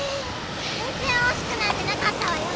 ぜんぜんおしくなんてなかったわよ。